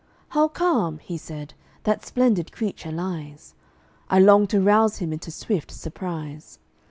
"How calm," he said, "that splendid creature lies! I long to rouse him into swift surprise."